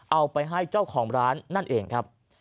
เอาไปให้เจ้าของร้านนั่นเองครับ